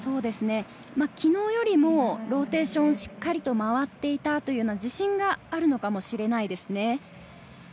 昨日よりもローテーションをしっかりと回っていたというのは自信があるのかもしれないですね。